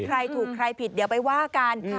ใครถูกใครผิดเดี๋ยวไปว่ากัน